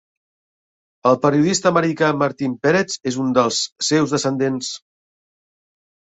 El periodista americà Martin Peretz és un dels seus descendents.